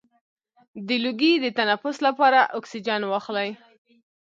د لوګي د تنفس لپاره اکسیجن واخلئ